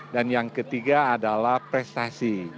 dan yang ketiga adalah prestasi